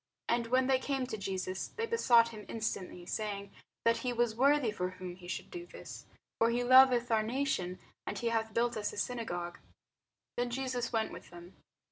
And when they came to Jesus, they besought him instantly, saying that he was worthy for whom he should do this: for he loveth our nation, and he hath built us a synagogue. Then Jesus went with them.